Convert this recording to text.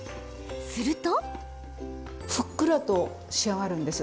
すると。